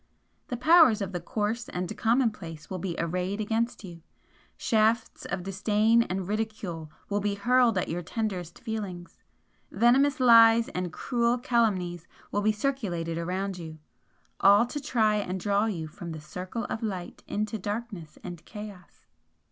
The powers of the coarse and commonplace will be arrayed against you shafts of disdain and ridicule will be hurled at your tenderest feelings, venomous lies and cruel calumnies will be circulated around you, all to try and draw you from the circle of light into darkness and chaos.